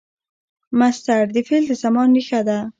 مصدر د فعل د زمان ریښه ده.